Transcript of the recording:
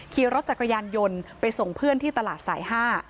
ขี่รถจักรยานยนต์ไปส่งเพื่อนที่ตลาดสาย๕